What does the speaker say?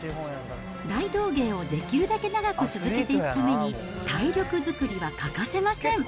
大道芸をできるだけ長く続けていくために、体力づくりは欠かせません。